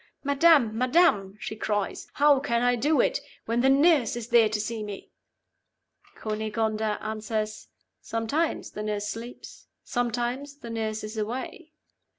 'Madam! madam!' she cries; 'how can I do it, when the nurse is there to see me?' Cunegonda answers, 'Sometimes the nurse sleeps; sometimes the nurse is away.